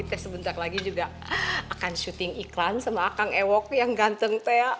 mami teh sebentar lagi juga akan syuting iklan sama akang ewok yang ganteng teh